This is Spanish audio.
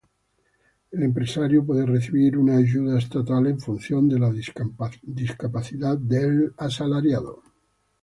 El empresario puede recibir una ayuda estatal en función de la discapacidad del asalariado.